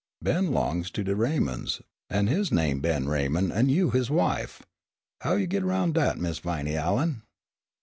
"Ben 'longs to de Raymonds, an' his name Ben Raymond an' you his wife. How you git aroun' dat, Mis' Viney Allen?"